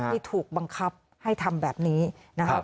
ที่ถูกบังคับให้ทำแบบนี้นะครับ